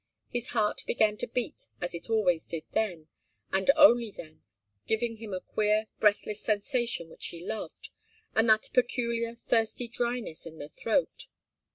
His heart began to beat as it always did then, and only then, giving him a queer, breathless sensation which he loved, and that peculiar thirsty dryness in the throat.